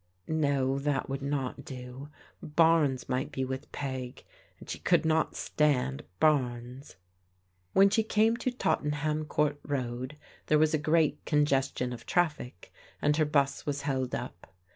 No, that would not do ; Barnes might be with Peg, and she could not stand Barnes. When she came to Tottenham Court Road, there was a great congestion of traffic, and her 'bus was held up.